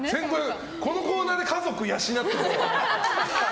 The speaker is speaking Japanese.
このコーナーで家族養っていける。